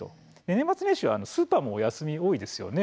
年末年始はスーパーもお休み多いですよね。